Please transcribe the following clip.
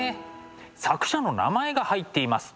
作者の名前が入っています。